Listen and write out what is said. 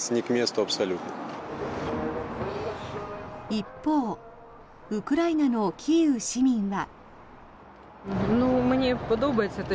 一方ウクライナのキーウ市民は。